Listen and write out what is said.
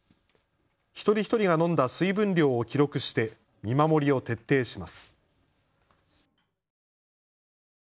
一人一人が飲んだ水分量を記録して見守りを徹底します。